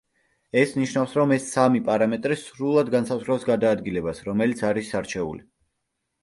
ეს ნიშნავს, რომ ეს სამი პარამეტრი სრულად განსაზღვრავს გადაადგილებას, რომელიც არის არჩეული.